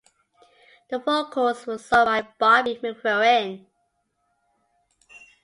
The vocals were sung by Bobby McFerrin.